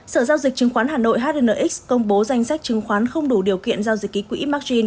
sở giao dịch chứng khoán hà nội hnx công bố danh sách chứng khoán không đủ điều kiện giao dịch ký quỹ margin